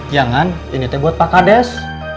iya kan ini buat pak kades